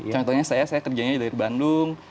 contohnya saya saya kerjanya dari bandung